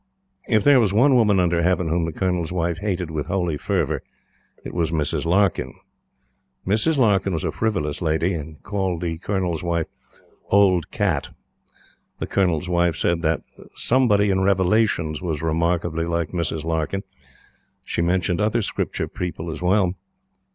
If there was one woman under Heaven whom the Colonel's Wife hated with holy fervor, it was Mrs. Larkyn. Mrs. Larkyn was a frivolous lady, and called the Colonel's Wife "old cat." The Colonel's Wife said that somebody in Revelations was remarkably like Mrs. Larkyn. She mentioned other Scripture people as well.